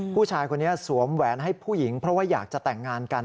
ผู้ชายคนนี้สวมแหวนให้ผู้หญิงเพราะว่าอยากจะแต่งงานกัน